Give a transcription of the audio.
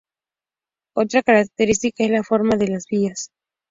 Otra característica es la forma de las vías.